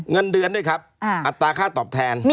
เงินเดือนด้วยครับอัตราค่าตอบแทน